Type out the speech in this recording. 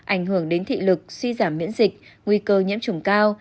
ảnh hưởng đến thị lực suy giảm miễn dịch nguy cơ nhiễm trùng cao